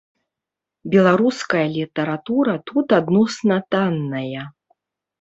Беларуская літаратура тут адносна танная.